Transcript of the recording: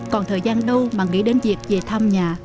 còn thời gian đâu mà nghĩ đến việc về thăm nhà